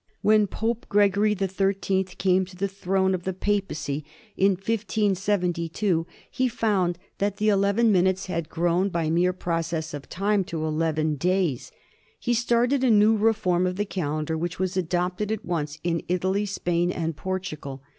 When Pope Gregory the Thirteenth came to the throne of the papacy, in 1572, he found that the eleven minutes had grown by mere process of time to eleven days. He started a new reform of the calendar, which was adopted at once in Italy, Spain, and Portugal.